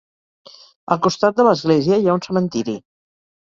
Al costat de l'església hi ha un cementiri.